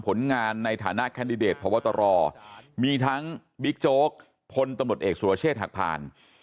ผลงานในฐานะแคนดิเดตพบตรมีทั้งบิ๊กโจ๊กพลตำรวจเอกสุรเชษฐ์หักผ่าน